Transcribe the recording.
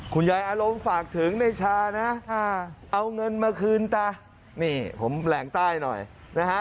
อารมณ์ฝากถึงในชานะเอาเงินมาคืนตานี่ผมแหลงใต้หน่อยนะฮะ